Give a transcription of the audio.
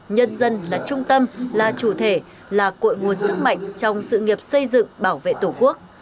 nhân dân là trung tâm là chủ thể là cội nguồn sức mạnh trong sự nghiệp xây dựng bảo vệ tổ quốc